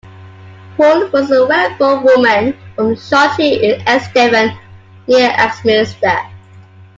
Poole was a well-born woman from Shute in East Devon, near Axminster.